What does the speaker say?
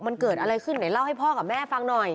มันเกิดอะไรขึ้นไหนเล่าให้พ่อกับแม่ฟังหน่อย